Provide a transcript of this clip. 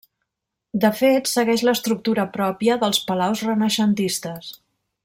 De fet, segueix l'estructura pròpia dels palaus renaixentistes.